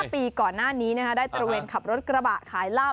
ปีก่อนหน้านี้ได้ตระเวนขับรถกระบะขายเหล้า